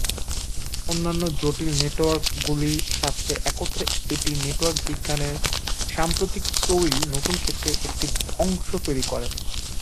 অন্যান্য জটিল নেটওয়ার্কগুলির সাথে একত্রে এটি নেটওয়ার্ক বিজ্ঞানের সাম্প্রতিক তৈরী নতুন ক্ষেত্রের একটি অংশ তৈরি করে।